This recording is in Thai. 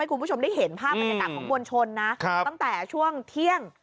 คุณผู้ชมได้เห็นภาพบรรยากาศของมวลชนนะตั้งแต่ช่วงเที่ยง